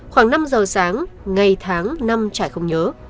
khoảng năm giờ sáng ngày tháng năm trải không nhớ